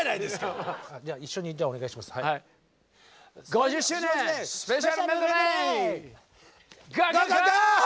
５０周年スペシャルメドレーＧＯＧＯＧＯ！